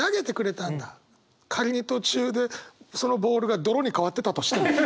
仮に途中でそのボールが泥に変わってたとしても。